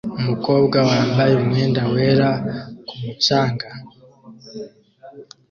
Umukobwa wambaye umwenda wera ku mucanga